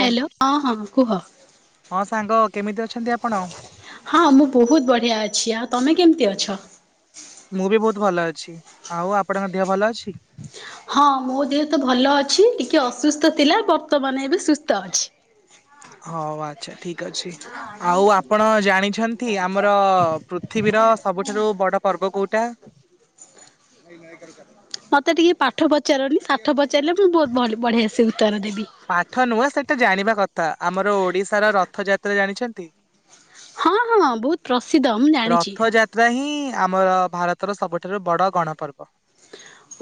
ଓ hello ହଁ ହଁ କୁହ। ହଁ ସାଙ୍ଗ କେମିତି ଅଛନ୍ତି ଆପଣ? ହଁ ମୁଁ ବହୁତ୍ ବଢ଼ିଆ ଅଛି। ଆଉ ତମେ କେମିତି ଅଛ? ମୁଁ ବି ବହୁତ୍ ଭଲ ଅଛି। ଆଉ ଆପଣଙ୍କ ଦେହ ଭଲ ଅଛି? ହଁ ମୋ ଦେହ ତ ଭଲ ଅଛି। ଟିକେ ଅସୁସ୍ଥ ଥିଲା। ବର୍ତ୍ତମାନ ଏବେ ସୁସ୍ଥ ଅଛି। ହଉ ଆଚ୍ଛା ଠିକ୍ ଅଛି। ଆଉ ଆପଣ ଜାଣିଛନ୍ତି ଆମର ପୃଥିବୀର ସବୁଠାରୁ ବଡ ପର୍ବ କୋଉଟା? [unintelligible] ମତେ ଟିକେ ପାଠ ପଚାରନି। ସାଠ ପଚାରିଲେ ମୁଁ ବହୁତ ବଢିଆ ସେ ଉତ୍ତର ଦେବି। ପାଠ ନୁହେଁ ସେଟା ଜାଣିବା କଥା। ଆମର ଓଡିଶାର ରଥଯାତ୍ରା ଜାଣିଛନ୍ତି? ହଁ ହଁ ବହୁତ ପ୍ରସିଦ୍ଧ ମୁଁ ଜାଣିଚି। ରଥଯାତ୍ରା ହିଁ ଆମର ଭାରତର ସବୁଠାରୁ ବଡ ଗଣ ପର୍ବ।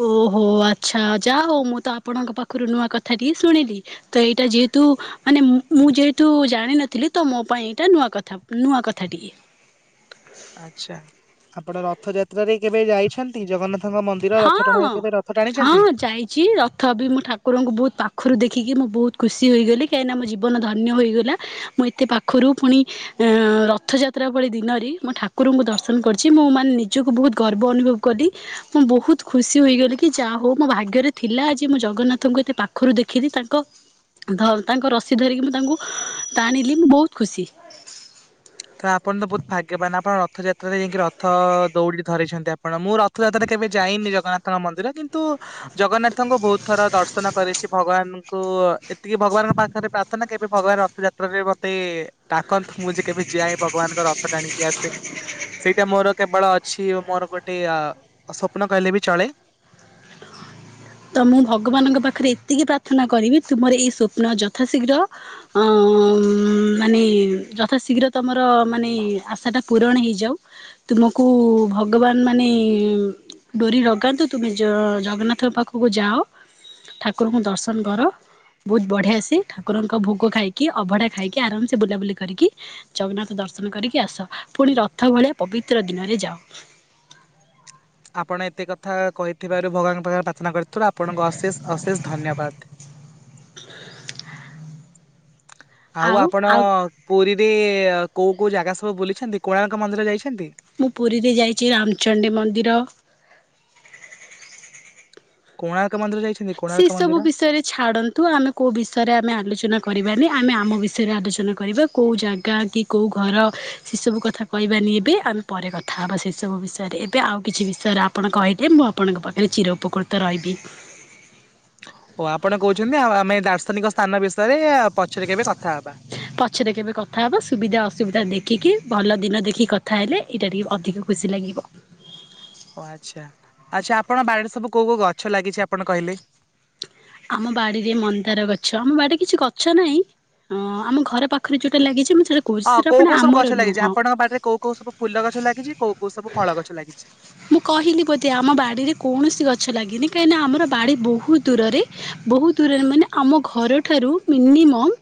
ଓହୋ। ଆଚ୍ଛା ଯାହା ହଉ ମୁଁ ତ ଆପଣଙ୍କ ପାଖରୁ ନୂଆ କଥା ଟିଏ ଶୁଣିଲି। ତ ଏଇଟା ଯେହେତୁ ମାନେ ମୁଁ ଯେହେତୁ ଜାଣିନଥିଲି ତ ମୋ ପାଇଁ ଏଇଟା ନୂଆ କଥା। ନୂଆ କଥାଟିିଏ। ଆଚ୍ଛା। ଆପଣ ରଥଯାତ୍ରାରେ କେବେ ଯାଇଛନ୍ତି ଜଗନ୍ନାଥ ହଁ। ହଁ ଯାଇଚି ରଥ ବି ମୁଁ ଠା ଠାକୁରଙ୍କୁ ବହୁତ ପାଖରୁ ଦେଖିକି ମୁଁ ବହୁତ ଖୁସି ହୋଇଗଲି। କାହିଁକିନା ମୋ ଜୀବନ ଧନ୍ୟ ହୋଇଗଲା। ମୁଁ ଏତେପାଖରୁ ପୁଣି ଅଁ ରଥଯାତ୍ରା ଭଳି ଦିନରେ ମୁଁ ଠାକୁରଙ୍କୁ ଦର୍ଶନ କରିଚି। ମୁଁ ମାନେ ନିଜକୁ ବହୁତ ଗର୍ବ ଅନୁଭବ [unintelligible] ମୁଁ ବହୁତ୍ ଖୁସି ହୋଇଗଲି କି, ଯାହା ହଉ ମୋ ଭାଗ୍ୟରେ ଥିଲା ଆଜି ମୁଁ ଜଗନ୍ନାଥଙ୍କୁ ଏତେ ପାଖରୁ ଦେଖିଲି। ତାଙ୍କ ଧ ତାଙ୍କ ରସି ଧରିକି ମୁଁ ତାଙ୍କୁ ଟାଣିଲି ମୁଁ ବହୁତ୍ ଖୁସି। ତ ଆପଣ ତ ବହୁତ୍ ଭାଗ୍ୟବାନ। ଆପଣ ରଥଯାତ୍ରାରେ ଯାଇକି ରଥ ଦଉଡି କି ଧରିଛନ୍ତି ଆପଣ। ମୁଁ ର ଥଯାତ୍ରା ରେ କେବେ ଯାଇନି ଜଗନ୍ନାଥଙ୍କ ମନ୍ଦିର। କିନ୍ତୁ ଜଗନ୍ନାଥଙ୍କୁ ବହୁତ ଥର ଦର୍ଶନ କରିଚି। ଭଗବାନଙ୍କୁ ଏତିକି ଭଗବାନଙ୍କ ପାଖରେ ପ୍ରାର୍ଥନା କେବେ ଭଗବାନ ରଥଯାତ୍ରାରେ ମତେ ଡାକନ୍ତୁ। ମୁଁ ଯେ କେବେ ଯାଏ ଭଗବାନଙ୍କ ରଥ ଟାଣିକି ଆସେ। ସେଇଟା ମୋର କେବଳ ଅଛି ମୋର ଗୋଟେ ଅ ସ୍ୱପ୍ନ କହିଲେ ବି ଚଳେ। ତ ମୁଁ ଭଗବାନଙ୍କ ପାଖରେ ଏତିକି ପ୍ରାର୍ଥନା କରିବି ତୁମର ଏଇ ସ୍ୱପ୍ନ ଯଥାଶୀଘ୍ର ଅଁ ମାନେ ଯଥା ଶୀଘ୍ର ତମର ମାନେ ଆଶାଟା ପୂରଣ ହେଇଯାଉ। ତୁମକୁ ଭଗବାନ ମାନେ ଡୋରି ଲଗାନ୍ତୁ, ତୁମେ ଜ ଜଗନ୍ନାଥ ପାଖକୁ ଯାଅ। ଠାକୁରଙ୍କୁ ଦର୍ଶନ କର। ବହୁତ ବଢିଆସେ ଠାକୁରଙ୍କ ଭୋଗ ଖାଇକି ଅଭଢା ଖାଇକି ଆରାମସେ ବୁଲାବୁଲି କରିକି ଜଗନ୍ନାଥ ଦର୍ଶନ କରିକି ଆସ। ପୁଣି ରଥ ଭଳିଆ ପବିତ୍ର ଦିନରେ ଯାଅ। ଆପଣ ଏତେ କଥା କହିଥିବାରୁ ଭଗବାନଙ୍କ ପାଖରେ ପ୍ରାର୍ଥନା କରିଥିବାରୁ ଆପଣଙ୍କୁ ଅଶେଷ ଅଶେଷ ଧନ୍ୟବାଦ। [inaudible] ଆଉ ଆପଣ ପୁରୀରେ କୋଉ କୋଉ ଜାଗା ସବୁ ବୁଲିଛନ୍ତି କୋଣାର୍କ ମନ୍ଦିର ଯାଇଛନ୍ତି? ମୁଁ ପୁରୀରେ ଯାଇଚି ରାମଚଣ୍ଡୀ ମନ୍ଦିର। କୋଣାର୍କ ମନ୍ଦିର ଯାଇଛନ୍ତି? କୋଣାର୍କ ସେସବୁ ମନ୍ଦିର ବିଷୟରେ ଛାଡନ୍ତୁ ଆମେ କେଉଁ ବିଷୟରେ ଆମେ ଆଲୋଚନା କରିବାନି ଆମେ ଆମ ବିଷୟରେ ଆଲୋଚନା କରିବା କେଉଁ ଜାଗା କି। କେଉଁ ଘର ସେସବୁ କଥା କହିବାନି ଏବେ ଆମେ ପରେ କଥା ହେବା ସେସବୁ ବିଷୟରେ ଏବେ ଆଉ କିଛି ବିଷୟରେ। ଆପଣ କହିଲେ ମୁଁ ଆପଣଙ୍କ ପାଖରେ ଚିର ପକୃତ ରହିବି ଓ ଆପଣ କହୁଛନ୍ତି ଆଉ ଆମେ ଦାର୍ଶନିକ ସ୍ଥାନ ବିଷୟରେ ପଛରେ କେବେ କଥା ହବା ପଛରେ କେବେ କଥା ହେବ ସୁବିଧା ଅସୁବିଧା ଦେଖିକି ଭଲ ଦିନ ଦେଖିକି କଥା ହେଲେ। ଏଇଟା ଟିକେ ଅଧିକ ଖୁସି ଲାଗିବ। ଓ ଆଚ୍ଛା ଆପଣ ବାଡିରେ ସବୁ କୋଉ କୋଉ ଗଛ ଲାଗିଛି ଆପଣ କହିଲେ। ଆମ ବାଡିରେ ମନ୍ଦାର ଗଛ ଆମ ବାଡିରେ କିଛି ଗଛ ନାହିଁ। ହଁ ଆମ ଘର ପାଖରେ ଯୋଉଟା ଲାଗିଛି ମୁଁ ସେଟା। ହଁ କେଉଁ କେଉଁ ଗଛ ଲାଗିଛିସବୁ ଫୁଲ ଲାଗିଛି ଆପଣଙ୍କ ପାଡିରେ କୋଉ କୋଉ ସବୁ ଫୁଲ ଗଛ ଲାଗିଛି କୋଉ କୋଉ ସବୁ ଫଳ ଗଛ ଲାଗିଛି। ମୁଁ କହିଲି ବୋଧେ ଆମ ବାଡ଼ିରେ କୌଣସି ଗଛ ଲାଗିନି କାହିଁକିନା ଆମର ବାଡ଼ି ବହୁତ ଦୂରରେ। ବହୁତ ଦୂରରେ ମାନେ ଆମ ଘର ଠାରୁ ମିନିମମ୍।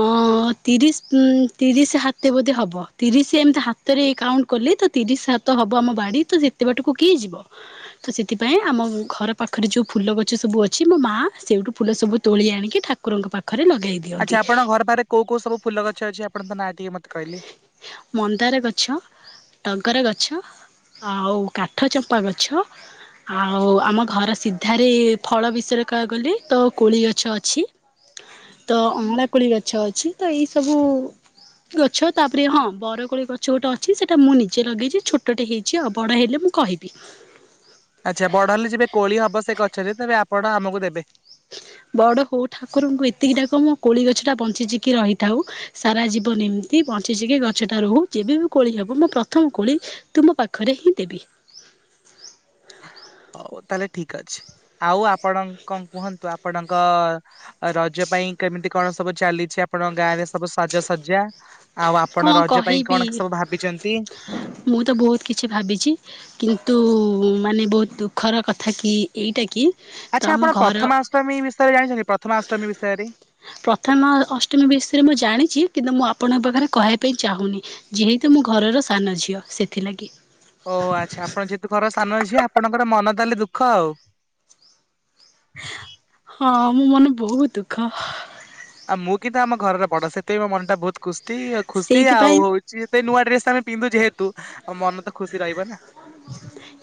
ହଁ ତିରିଶ ତିରିଶ ସାତ ବୋଧେ ହବ ତିରିଶି ଏମିତି ହାତେ। ହାତରେ କାଉଣ୍ଟ କଲେ ତ ତିରିଶ ହାତ ହବ ଆମ ବାଡି ତ ସେତେ ବାଟକୁ କିଏ ଯିବ। ତ ସେଥିପାଇଁ ଆମ ଘର ପାଖରେ ଯୋଉଁ ଫୁଲ ଗଛ ସବୁ ଅଛି ମୋ ମା ସେଇଠୁ ଫୁଲ ସବୁ ତୋଳି ଆଣିକି ଠାକୁର ଠାକୁରଙ୍କ ପାଖରେ ଲଦେଇଦିଏ। ଆଚ୍ଛା ଆପଣ ଘର ପାଖରେ କେଉଁ କେଉଁ ସବୁ ଫୁଲ ଗଛ ଅଛି ନାଁ ଟିକେ ମତେ କହିଲେ। ମନ୍ଦାର ଗଛ ଟଗର ଗଛ ଆଉ କାଠ ଚମ୍ପା ଗଛ। ଆଉ ଆମ ଘର ସିଧାରେ ଫଳ ବିଷୟରେ କହିବାକୁ ଗଲେ ତକୋଳି ଗଛ ଅଛି [inaudible] ତ ଅଳା କୋଳି ଗଛ ଅଛି ତ ଏଇ ସବୁ। ଗଛ ତାପରେ ହଁ ବରକୋଳି ଗଛ ଗୋଟେ ଅଛି ସେଇଟା ମୁଁ ନିଜେ ଲଗେଇଛି ଛୋଟଟେ ହେଇଛି ଆଉ ବଡ଼ ହେଲେ ମୁଁ। କହିବି। ଆଚ୍ଛା ବଢ ହେଲେ ଯେବେ କୋଳି ହବ ସେ ଗଛରେ ତେବେ ଆପଣ ଆମକୁ ଦେବେ। ବଡ ହଉ ଠାକୁରଙ୍କୁ ଏତିକି ଡାକ ମୋ କୋଳି ଗଛ ଟା ବଞ୍ଚିଚିକି ରହିଥାଉ। ସାରା ଜୀବନ ଏମିତି ବଞ୍ଚିକି ଗଛଟା ରହୁ ଯେବେ ବି କୋଳି ହବ ମୁଁ ପ୍ରଥମ କୋଳି। ତୁମ ପାଖରେ ହିଁ ଦେବି। ହଉ ତାହେଲେ ଠିକ୍ ଅଛି ଆଉ ଆପଣଙ୍କ କୁହନ୍ତୁ ଆପଣଙ୍କ। ଆଉ ରଜ ପାଇଁ କେମିତି କଣ ସବୁ ଚାଲିଛି ଆପଣଙ୍କ ଗାଁ ରେ ସବୁ ସାଜସଜା ଆଉ କଣ ଆପଣ ରଜ ପାଇଁ କହିବି କଣ ସବୁ ଭାବିଛନ୍ତି। ମୁଁ ତ ବହୁତ କିଛି ଭାବିଛି। କିନ୍ତୁ ମାନେ ବହୁତ ଦୁଃଖର କଥା କି ଏଇଟା କି। ତ ଆଚ୍ଛା ଆମ ଆପଣ ଘର ପ୍ରଥମାଷ୍ଟମୀ ବିଷୟରେ ଜାଣିଛନ୍ତି ପ୍ରଥମାଷ୍ଟମୀ ବିଷୟରେ। ପ୍ରଥମା ଅଷ୍ଟମୀ ବିଷୟରେ ମୁଁ ଜାଣିଛି କିନ୍ତୁ ମୁଁ ଆପଣଙ୍କ ପାଖରେ କହିବା ପାଇଁ ଚାହୁଁନି। ଯେହେତୁ ମୁଁ ଘରର ସାନ ଝିଅ ସେଥିଲାଗି। ଓହୋ ଆଚ୍ଛା ଆପଣ ଯେହେତୁ ଘର ସାନ ଝିଅ ଆପଣଙ୍କର ମନ ତାହେଲେ ଦୁଃଖ ଆଉ। ହଁ ମୋ ମନ ବହୁତ ଦୁଃଖ। ଆଉ ମୁଁ କିନ୍ତୁ ଆମ ଘରର ବଡ ସେଥିପାଇଁ ମୋ ମନଖୁତି ଟା ବହୁତ ଖୁସି ସେଇଥିପାଇଁ ଆଉ ସତ ନୂଆ ଡ୍ରେସ ତ ଆମେ ପିନ୍ଧୁ ଯେହେତୁ ମନ ତ ଖୁସି ରହିବ ନା।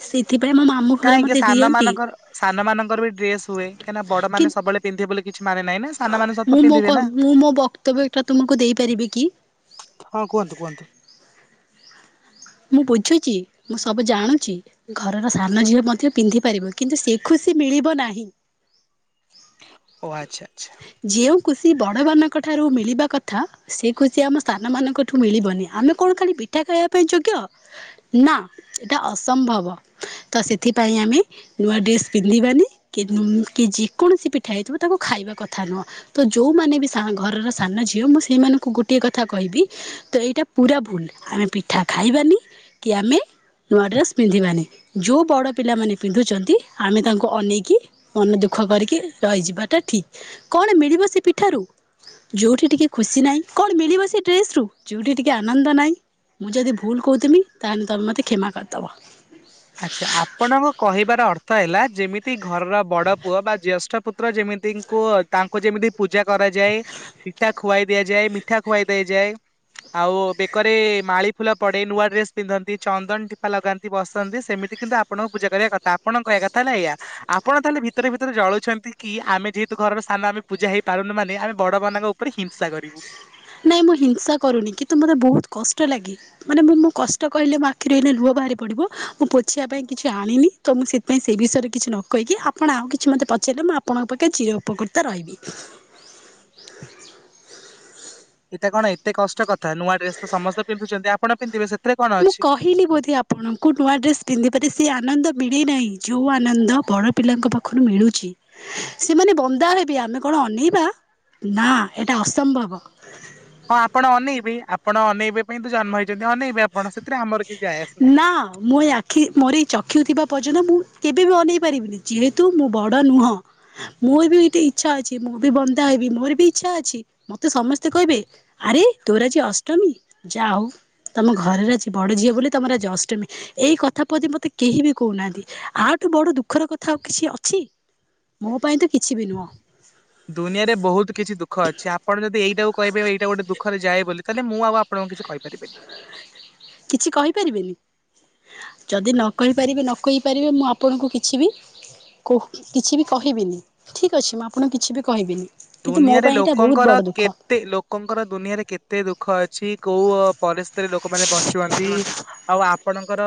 ସେଥିପାଇଁ ମୋ ମାମୁଁ ଘରେ କାହିଁକି ମତେ ସାନ ଦିଅନ୍ତି। ମାନଙ୍କର ସାନ ମାନଙ୍କର ବି ଡ୍ରେସ ହୁଏ କାଁକନା ବଡ କି ମାନ ସବୁବେ ପିନ୍ଧେ ବୋଲି କିଛି ମାନେ ନଁ ନା ସାନମାନୋନେ। ମୁଁ ମୋ ମୁଁ ମୋ ବକ୍ତବ୍ୟ ଏଇଟା ତୁମକୁ ଦେଇପାରିବି କି। ହଁ କୁହନ୍ତୁ କୁହନ୍ତୁ। ମୁଁ ବୁଝୁଛି ମୁଁ ସବୁ ଜାଣୁଛି। ଘରର ସାନ ଝିଅ ମଧ୍ୟ ପିନ୍ଧି ପାରିବ କିନ୍ତୁ ସେ ଖୁସି ମିଳିବ ନାହିଁ। ଓ ଆଚ୍ଛା ଆଚ୍ଛା। ଯେଉଁ ଖୃସି ବଡ଼ମାନଙ୍କ ଠାରୁ ମିଳିବା କଥା ସେ କହୁଛି ଆମ ସ୍ଥାନ ମାନଙ୍କ ଠୁ ମିଳିବନି ଆମେ କଣ ଖାଲି ପିଠା ଖାଇବା ପାଇଁ ଯୋଗ୍ୟ କ ନା ଏଟା ଅସମ୍ଭବ ତ ସେଥିପାଇଁ ଆମେ ନୂଆ ଡ୍ରେସ ପିନ୍ଧିବାନି କି କି ଯେ କୌଣସି ପିଠା ହେଇଥିବ ତାଙ୍କୁ ଖାଇବା କଥା ନୁହଁ। ତ ଯୋଉମାନେ ବି ଘରର ସାନ ଝିଅ ମୁଁ ସେଇମାନଙ୍କୁ ଗୋଟଏ କଥା କହିବି। ତ ଏଇଟା ପୁରା ଭୁଲ ଆମେ ପିଠା ଖାଇବାନି, କି ଆମେ ନୂଆ ଡ୍ରେସ୍ ପିନ୍ଧିବାନି ଯେଉଁ ବଡ଼ ପିଲାମାନେ ପିନ୍ଧୁଛନ୍ତି ଆମେ ତାଙ୍କୁ ଅନେଇକି ମନ ଦୁଃଖ କରିକି ରହିଯିବାଟା ଠିକ କଣ ମିଳିବ ସେ ପିଠାରୁ? ଯେଉଁଠି ଟିକିଏ ଖୁସି ନାହିଁ, କଣ ମିଳିବ ସେ ଡ୍ରେସ ରୁ ଯେଉଁଠିିକେ ଆନନ୍ଦ ନାହିଁ, ମୁଁ ଯଦି ଭୁଲ କହୁଥଥିଲି ତାହେଲେ ତମେ ମୋତେ କ୍ଷମା କରିଦେବ। ଆଚ୍ଛା ଆପଣଙ୍କ କହିବାର ଅର୍ଥ ହେଲା ଯେମିତି ଘରର ବଡ ପୁଅ ବା ଜ୍ୟେଷ୍ଠ ପୁତ୍ର ଯେମିତିଙ୍କୁ ତାଙ୍କୁ ଯେମିତି ପୂଜା କରାଯାଏ ପିଠା ଖୁଆଇ ଦିଆଯାଏ। ମିଠା ଖୁଆଇ ଦେଇ ଯାଏ। ଆଉ ବେକରେ ମାଳି ଫୁଲ ପଡେ, ନୂଆ ଡ୍ରେସ ପିନ୍ଧନ୍ତି ଚନ୍ଦନ ଟିପା ଲଗାନ୍ତି, ବସା ସେମିତି କିନ୍ତୁ ଆପଣଙ୍କୁ ପୂଜା କରିବା କଥା ଆପଣ କହିବା କଥା ହେଲା ଏଇା। ଆପଣ ତାହେଲେ ଭିତରେ ଭିତରେ ଜଳୁଛନ୍ତି କି? ଆମେ ଯେହେତୁ ଘର ସ୍ଥାନ ଆମେ ପୂଜା ହେଇପାରୁନୁ ମାନେ ଆମେ ବଡ ମାନଙ୍କ ଉପ ଉପରେ ହିଂସା କରିବୁ। ନହିଁ ମୁଁ ହିଂସା କରୁନି କିନ୍ତୁ ମୋତେ ବହୁତ କଷ୍ଟ ଲାଗେ। ମାନେ ମୁଁ ମଁ କଷ୍ଟ କହିଲେ ମୋ ଆଖିରୁ ଲୁହ ବାହାରି ପଡିବ, ମୁଁ ପୋଛିବା ପାଇଁ କିଛି ଆଣିନି। ତ ମୁଁ ସେଥିପାଇଁ ସେ ବିଷୟରେ କିଛି ନ କହିକି ଆପଣ ଆଉ କିଛି ମୋତେ ପାରିଲେ ମୁଁ ଆପଣଙ୍କଖେ ଚିର ଉପକୃିତା ରହିବି। ଏଇଟା କଣ ଏତେ କଷ୍ଟ କଥା ନୂଆ ଡ୍ରେସ୍ ତ ସମସ୍ତେ ପିନ୍ଧୁଛନ୍ତି ଆପଣ ପିନ୍ଧିବେ ସେଥିରେ କଣ ଅଛି? ଫିିଲି ବୋଧେ ଅପ୍ ଆପଣଙ୍କୁ ନୂଆ ଡ୍ରେସ୍ ପିନ୍ଧିବାରେ ସେ ଆନନ୍ଦ ମିଳିନାହିଁ ଯେଉଁ ଆନନ୍ଦ ବଡ଼ ପିଲାଙ୍କ ପାଖରୁ ମିଳୁଛି। ସେମାନେ ବନ୍ଦା ହେବେି ଆମେ କଣ ଅନେଇବା ନା ଏଇଟା ଅସମ୍ଭବ। ହଁ ଆପଣ ଅନେଇବେ ଆପଣ ଅନେଇବେ ପାଇଁ ତ ଜନ୍ମ ହେଇଛନ୍ତି ଅନେଇବେ ଆପଣ ସେଥିରେ ଆମର କିଛି ଆୟସ ନାହିଁ। ହଁ ମୁଁୟା ମୋରଏଇ ଚକ୍ଷୁ ଥିବା ପର୍ଯ୍ୟନ୍ତ ମୁଁ କେବେ ବି ଅନେଇ ପାରିବିନି ଯେହେତୁ ମୁଁ ବଡ ନୁହଁ। ମୋର ବି ଗଟେ ଇଚ୍ଛା ଅଛି ମୁଁ ବି ବନ୍ଧା ହେବି ମୋର ବି ଇଚ୍ଛା ଅଛି। ମତେ ସମସ୍ତେ କହିବେ ଆରେ ତୋର ଆଜୀ ଅଷ୍ଟମୀ ଯା ହଉ। ତମ ଘରର ଆଜି ବଡ ଝିଅ ବୋଲି ତମର ଆଜି ଅଷ୍ଟମୀ। ଏଇ କଥା ପ୍ରତି ମତେ କେହି ବି କହୁନାହାନ୍ତି। ଆଉଠୁ ବଡ ଦୁଃଖର କଥା ଆଉ କିଛି ଅଛି? ମୋ ପାଇଁ ତ କିଛି ବି ନୁହଁ। ଦୁନିଆରେ ବହୁତ କିଛି ଦୁଃଖ ଅଛି, ଅପଣ ଯଦି ଏଇଟା କହିବେ ଏଇଟା ଗୋଟେ ଦୁଖରୋଏ ବୋଲି ତାହେଲେ ମୁଁ ଆପଣଙ୍କୁ କିଛି କହି କିଛି କହିପାରିବେନି? ଯଦି ନ କହିପାରିବେ ନ କହି ପାରିବେ ମୁଁ ଆପଣଙ୍କୁ କିଛି ବି କହୁ କିଛି ବି କହିବିନି ଠିକ୍ ଅଛି ମୁଁ ଆପଣଙ୍କୁ କିଛି ବି କହିବିନି। କିନ୍ତୁ ମୋ ପାଇଁ ଏଇଟା ବହୁତ ବଡ଼ ଦୁଃଖ। ଏତେ ଲୋକଙ୍କର ଦୁନିଆରେ କେତେ ଦୁଃଖ ଅଛି କୋଉ କଲେ ସ୍ତ ଲୋକମାନେ ବଞ୍ଚୁନ୍ତି। ଆଉ ଆପଣଙ୍କର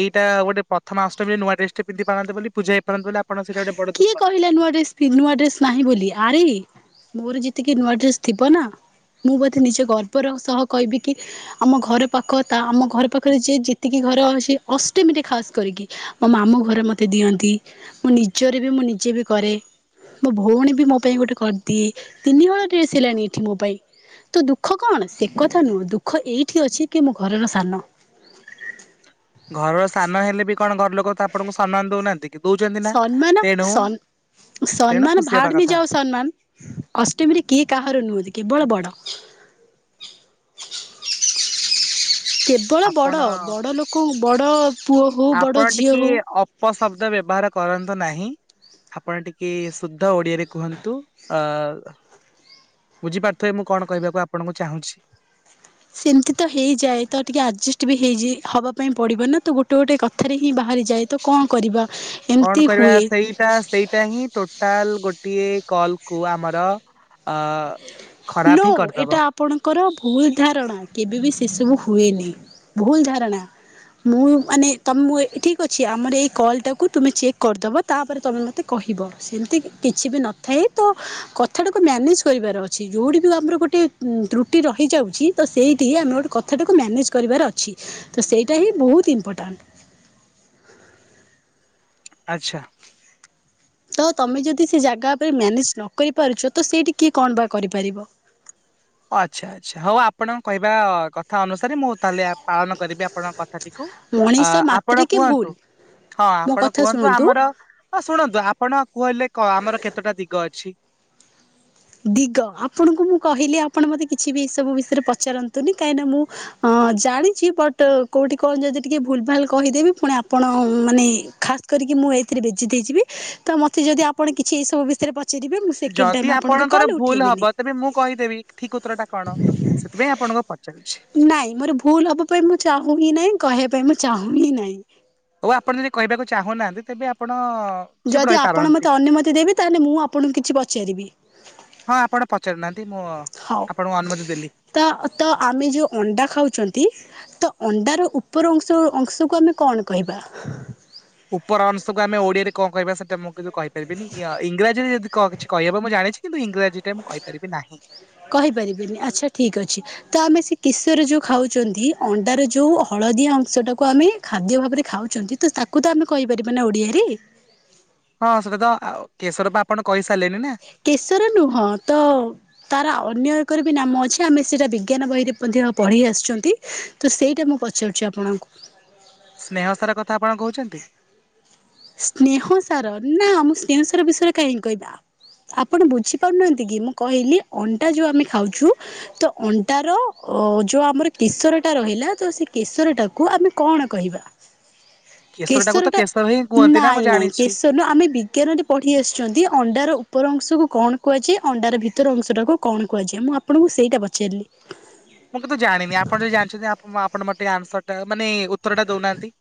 ଏଇଟା ଗୋଟ ପ୍ରଥମା ଅଷ୍ଟମୀରେ ନୂଆ ଡ୍ରେସଟା ପିନ୍ଧି ପାରନ୍ତେ ବୋଲି ପୂଜା ହେଇପାରନ୍ତେ ବୋଲି ଆପଣ ସେଇଟା ଗୋଟେ ବଡ କିଏ ଦୁଃଖ କହିଲେ ନୂଆ ଡ୍ରେସ ନୂଆ ଡ୍ରେସ ନାହିଁ ବୋଲି। ଆରେ ମୋର ଯେତିକି ନୂଆ ଡ୍ରେସ ଥିବ ନା ମୁଁ ବୋଧେ ନିଜ ଗର୍ବର ସହ କହିବିକି ଆମ ଘର ପାଖ ତା ଆମ ଘର ପାଖରେ ଯିଏ ଯେତିକି ଘର ଅଛି ଅଷ୍ଟମୀରେ ଖାସ୍ କରିକି। ମୋ ମାମୁଁ ଘରେ ମତେ ଦିଅନ୍ତି ମୁଁ ନିଜରେବି ମୁଁ ନିଜେରେବି କରେ। ମୋ ଭଉଣୀ ବି ମୋପାଇଁ ଗୋଟେ କରିଦିଏ ତିନିହଳ ଡ୍ରେସ୍ ହେଲାଣି ଏଠି ମୋପାଇଁ। ତ ଦୁଃଖ କଣ ସେକଥା ନୁହଁ ଦୁଃଖ ଏଇଠି ଅଛିକି ମୁଘରର ସାନ। ଘରର ସାନ ହେଲେବି କଣ ଘର ଲୋକତ ଆପଣଙ୍କୁ ସମ୍ମାନ ଦଉନାହାନ୍ତି। କି ଦଉଛନ୍ତି ନା ସମ୍ମାନ ତେଣୁ ସନ୍ ତେଣୁ ସମ୍ମାନ ଖୁସି ହବା ଭାଡ଼େମେ କଥା ଯାଅ ସମ୍ମାନ। ଅଷ୍ଟମୀରେ କିଏ କାହାର ନୁହଁନ୍ତି କେବଳ ବଡ଼। କେବଳ ଆପଣ ବଡ଼ ବଡ଼ ଲୋକ ବଡ଼ ପୁଅ ହଉ ବଡ଼ ଝିଅ ହଉ। ଉପ ଶବ୍ଦ ବ୍ୟବହାର କରନ୍ତୁ ନାହିଁ। ଆପଣ ଟିକେ ସୁଦ୍ଧା ଓଡିଆରେ କୁହନ୍ତୁ ଅ ବୁଝିପାରୁଥିବେ ମୁଁ କଣ କହିବାକୁ ଆପଣଙ୍କୁ ଚାହୁଁଛି। ସେମିତିତ ହେଇଯାଏ ତଟିକେ ଆଡଜଷ୍ଟବି ହେଇଯେ ହବା ପାଇଁ ପଡ଼ିବନା ତଗୋଟେ ଗୋଟେ କ ଥାରେହିଁ ବାହାରି ଯାଏ ତକଣ କରିବା। କଣ ଏମିତି କରିବା ହୁଏ ସେଇଟା ସେଇଟାହିଁ ଟୋଟାଲି ଗୋଟିଏ କଲକୁ ଆମର ଅଁ ନୋ ଖରାପହିଁ ଏଇଟା କରିଦବ। ଆପଣଙ୍କର ଭୁଲ ଧାରଣା କେବେବି ସେସବୁ ହୁଏନି ଭୁଲ ଧାରଣା। ମୁଁ ମାନେ ତମ ମୁଁ ଠିକ୍ ଅଛି ଆମର ଏଇ କଲ୍ଟାକୁ ତୁମେ ଚେକ୍ କରିଦେବ ତାପରେ ତମେ ମୋତେ କହିବ। ସେମିତି କିଛିବି ନଥାଏ ତକଥାଟାକୁ ମ୍ୟାନେଜ କରିବାର ଅଛି ଯୋଉଠିବି ଆମର ଗୋଟେ ତ୍ରୁଟି ରହିଯାଉଛି ତସେଇଠି ଆମେ ଗୋଟେ କଥାଟାକୁ ମାନେଜ କରିବାର ଅଛି ତସେଇଟା ହିଁ ବହୁତ୍ ଇମ୍ପୋର୍ଟାଣ୍ଟ। ଆଚ୍ଛା। ତତମେ ଯଦି ସେଜାଗା ଉପରେ ମ୍ୟାନେଜ ନକରିପାରୁଛ ତସେଇଠି କିଏ କଣବା କରିପାରିବ। ଆଚ୍ଛା ଆଚ୍ଛା ହଉ ଆପଣଙ୍କ କହିବା କଥା ଅନୁସାରେ ମୁଁ ତାହେଲେ ଆପ୍ ପାଳନ କରିବି ଆପଣଙ୍କ କଥାଟିକୁ ମଣିଷ ଆଁ ଆପଣ ମାତ୍ରେକେ ଭୁଲ କୁହନ୍ତୁ। ହଁ ମୋ ଆପଣ କଥା କୁହନ୍ତୁ ଶୁଣନ୍ତୁ ଆମର ଶୁଣନ୍ତୁ ଆପଣ କୁହିଲେ ଆମର କେତେଟା ଦିଗ ଅଛି? ଦିଗ ଆପଣଙ୍କୁ ମୁଁ କହିଲି ଆପଣ ମତେ କିଛିବି ଏସବୁ ବିଷୟରେ ପଚାରନ୍ତୁନି କାହିଁକିନା ମୁଁ ହଁ ଜାଣିଛି ବଟ୍ କୋଉଠି କଣ ଯଦି ଟିକେ ଭୁଲ୍ ଭାଲ୍ କହିଦେବି ପୁଣି ଆପଣ ମାନେ ଖା କରି ମୁଁ ଏଥିରେ ବେଜିତ୍ ହେଇଯିବି ତ ମତେ ଯଦି ଆପଣ କିଛି ଏସବୁ ବିଷୟରେ ପଚାରେ ସେକେଣ୍ଡ ଟାଇମ୍ ଆପଣଙ୍କ ଙ୍କର କଲ୍ ଭୁଲ ଉଠେଇବିନି। ହବ ତେବେ ମୁଁ କହିଦେବି ଠିକ୍ ଉତରଟା କଣ ସେଥିପାଇଁ ଆପଣଙ୍କୁ ପଚାରୁଛି। ନାଇଁ ମୋର ଭୁଲ୍ ହବା ପାଇଁ ମୁଁ ଚାହୁଁହିଁ ନାହିଁ କହିବା ପାଇଁ ମୁଁ ଚାହୁଁହିଁ ନାହିଁ। ହଉ ଆପଣ ଯଦି କହିବାକୁ ଚାହୁଁନାହାନ୍ତି ତେବେ ଆପଣ ଚୁପ୍ ଯଦି ଆପଣ ରହିପାରନ୍ତି। ମୋତେ ଅନୁମତି ଦେବେ ତାହେଲେ ମୁଁ ଆପଣଙ୍କୁ କିଛି ପଚାରିବି? ହଁ ଆପଣ ପଚାରୁନାହାନ୍ତି ମୁଁ ହଉ। ଆପଣଙ୍କୁ ଅନୁମତି ଦେଲି। ତ ତ ଆମେ ଯୋଉ ଅଣ୍ଡା ଖାଉଚନ୍ତି ତ ଅଣ୍ଡାର ଉପର ଅଂଶ ଅଂଶକୁ ଆମେ କଣ କହିବା? ଉପର ଅଂଶକୁ ଆମେ ଓଡିଆରେ କଣ କହିବା ସେଟା ମୁଁ କିନ୍ତୁ କହିପାରିନି ଇୟା ଇଂରାଜୀରେ ଯଦି କ କିଛି କହିବ ମୁଁ ଜାଣିଚି। କିନ୍ତୁ ଇଂରାଜୀଟା ମୁଁ କହିପାରିବି ନାହିଁ। କହିପାରିବେନି ଆଚ୍ଛା ଠିକ୍ ଅଛି। ତଆମେ ସେକିଶୋରେ ଯୋଉ ଖାଉଛନ୍ତି ଅଣ୍ଡାର ଯୋଉ ହଳଦିଆ ଅଂଶ ଟାକୁ ଆମେ ଖାଦ୍ୟ ଭାବରେ ଖାଉଚନ୍ତି। ତ ତାକୁତ ଆମେ କହିପାରିବାନା ଓଡ଼ିଆରେ। ହଁ ସେଟାତ ଆଃ କେଶରବା ଆପଣ କହିସାରିଲେଣି ନା। କେଶର ନୁହଁତ ତାର ଅନ୍ୟ ଏକରବି ନାମ ଅଛି ଆମେ ସେଇଟା ବିଜ୍ଞାନ ବହିରେ ମଧ୍ୟ ପଢି ଆସୁଚନ୍ତି। ତ ସେଇଟା ମୁଁ ପଚାରୁଛି ଆପଣଙ୍କୁ? ସ୍ନେହ ସାର କଥା ଆପଣ କହୁଛନ୍ତି। ସ୍ନେହ ସାର। ନା ମୁଁ ସ୍ନେହ ସାର ବିଷୟରେ କାହିଁକିଁ କହିବି। ଆପଣ ବୁଝିପାରୁନାହାନ୍ତି କି। ମୁଁ କହିଲି ଅଣ୍ଡା ଯୋଉ ଆମେ ଖାଉଛୁ ତ ଅଣ୍ଡା ର ଅ ଯୋଉ ଆମର କେଶର ଟା ରହିଲା ତ ସେ କେଶରଟାକୁ ଆମେ କଣ କହିବା? କେଶରଟାକୁ କେଶର ହିଁ କୁଅନ୍ତି। ନାଇଁ ନାଇଁ କେଶ ଧରି ନିଅ ଆମେ ବିଜ୍ଞାନରେ ପଢ଼ି ଆସିଚନ୍ତି ଅଣ୍ଡାର ଉପର ଅଂଶକୁ କଣ କୁହାଯାଏ? ଅଣ୍ଡାର ଭିତର ଅଂଶଟାକୁ କଣ କୁହାଯାଏ? ମୁଁ ଆପଣଙ୍କୁ ସେଇଟା ପଚାରିଲି? ମୁଁ କିନ୍ତୁ ଜାଣିନି ଆପଣ ଯଦି ଜାଣିଚନ୍ତି ଆପଣ ମୋ ଟେ ଆନ୍ସର ଟା ମାନେ ଉତ୍ତର ଟା ଦଉନାହାନ୍ତି।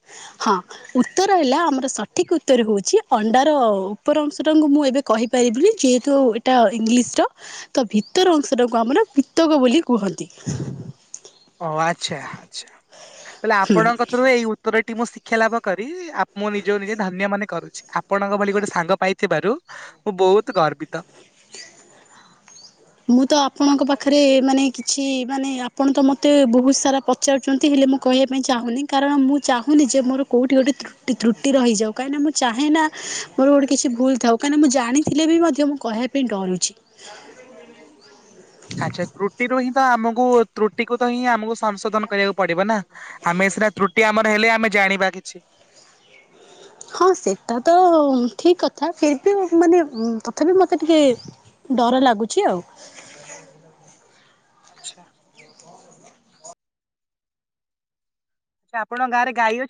ହଁ। ଉତ୍ତର ହେଲା ଆମର ସଠିକ ଉତ୍ତର ହଉଚି ଅଣ୍ଡାର ଉପର ଅଂଶ ଟାଙ୍କୁ ମୁଁ ଏବେ କହିପାରିବିନି ଯେହେତୁ ଏଇଟା ଇଂଗିଲିସ୍ ର ତ ଭିତର ଅଂଶ ଟାକୁ ଆମର ପିତକ ବୋଲି କୁହନ୍ତି। ଓ ଆଚ୍ଛା ଆଚ୍ଛା ତାହଲେ ଆପଣଙ୍କ ଠାରୁ ଏଇ ଉତ୍ତରଟି ମୁଁ ଶିକ୍ଷା ଲାଭ କରି ଆ ମୁଁ ନିଜକୁ ନିଜେ ଧନ୍ୟ ମାନେ କରୁଚି ଆପଣଙ୍କ ଭଳି ଗୋଟେ ସାଙ୍ଗ ପାଇଥିବାରୁ ମୁଁ ବହୁତ ଗର୍ବିତ। ମୁଁ ତ ଆପଣଙ୍କ ପାଖରେ ମାନେ କିଛି ମାନେ ଆପଣ ତ ମତେ ବହୁତ ସାରା ପ ପଚାରୁଚନ୍ତି ହେଲେ ମୁଁ କହିବା ପାଇଁ ଚାହୁଁନି କାରଣ ମୁଁ ଚାହୁଁନି ଯେ କୋଉଠି ଗୋଟେ ତ୍ରୁ ତ୍ରୁଟି ରହିଯାଉ କାହିଁକି ନା ମୁଁ ଚାହେଁ ନା ମୋର ଗୋଟେ କିଛି ଭୁଲ୍ ଥାଉ କାହିଁକି ମୁଁ ଜାଣିଥିଲେ ବି ମଧ୍ୟ ମୁଁ କହେ ପି ଡରୁଛି। ଆଚ୍ଛା ତ୍ରୁଟିରୁ ହିଁ ତ ଆମକୁ ତ୍ରୁଟିକୁ ତ ହିଁ ଆମକୁ ସଂଶୋଧନ କରିବାକୁ ପଡିବ ନା। ଆମେ ସିନା ତ୍ରୁଟି ଆମର ହେଲେ ଆମେ ଜାଣିବା କିଛି। ହଁ ସେଟା ତ ଠିକ୍ କଥା ଫିର୍ ବି ମାନେ ତଥାପି ମତେ ଟିକେ ଡର ଲାଗୁଚି ଆଉ। ଆଚ୍ଛା। ସା ଆପଣଙ୍କ ଗାଁରେ ଗାଈ ଅଛି